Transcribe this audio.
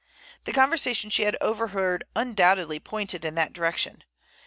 The conversation she had overheard undoubtedly pointed in that direction.